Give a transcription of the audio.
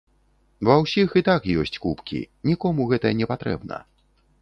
Ва ўсіх і так ёсць кубкі, нікому гэта не патрэбна.